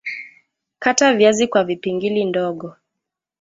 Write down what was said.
Kata viazi kwa vipingili ndogo